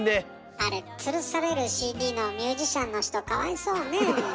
あれつるされるＣＤのミュージシャンの人かわいそうねえ。